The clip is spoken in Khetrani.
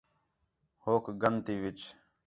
ہُوک گند تی وِچ